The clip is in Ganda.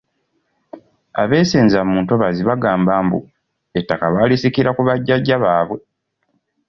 Abeesenza mu ntobazi bagamba mbu ettaka baalisikira ku bajjajja baabwe.